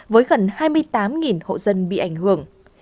với gần hai mươi tám hộ dân bị ảnh hưởng